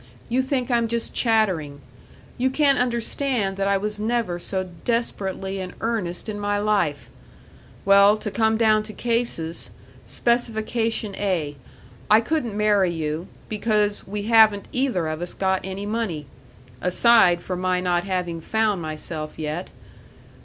You think I'm just chattering. You can't understand that I was never so desperately in earnest in my life. Well, to come down to cases. Specification A I couldn't marry you, because we haven't either of us got any money aside from my not having found myself yet.